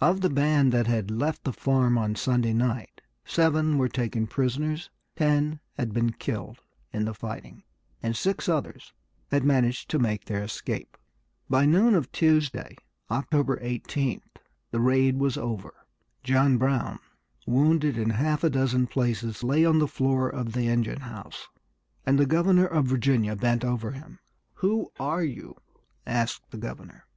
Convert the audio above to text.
Of the band that had left the farm on Sunday night seven were taken prisoners, ten had been killed in the fighting, and six others had managed to make their escape. By noon of Tuesday, October 18th, the raid was over. John Brown, wounded in half a dozen places, lay on the floor of the engine house; and the governor of Virginia bent over him. "Who are you?" asked the governor.